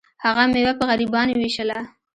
هغه میوه په غریبانو ویشله.